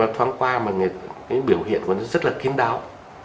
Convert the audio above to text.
thoáng qua mà cái biểu hiện của nó rất là kín đáo